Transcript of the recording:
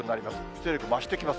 勢力を増してきます。